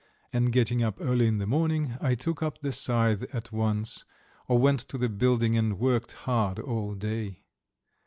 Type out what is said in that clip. And getting up early in the morning, I took up the scythe at once, or went to the building and worked hard all day.